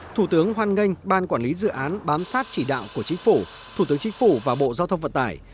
thủ tướng hoan nghênh ban quản lý dự án bám sát chỉ đạo của chính phủ thủ tướng chính phủ và bộ giao thông vận tải